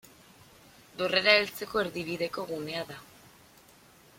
Dorrera heltzeko erdibideko gunea da.